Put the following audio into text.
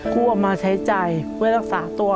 กู้มาใช้จ่ายเพื่อรักษาตัว